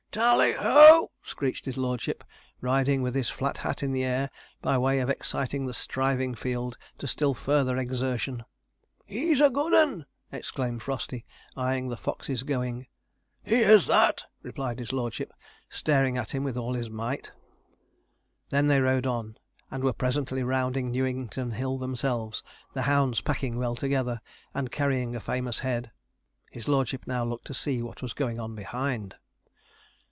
'Tallyho!' screeched his lordship, riding with his flat hat in the air, by way of exciting the striving field to still further exertion. 'He's a good 'un!' exclaimed Frosty, eyeing the fox's going. 'He is that!' replied his lordship, staring at him with all his might. Then they rode on, and were presently rounding Newington Hill themselves, the hounds packing well together, and carrying a famous head. His lordship now looked to see what was going on behind.